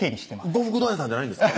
呉服問屋さんじゃないんですか？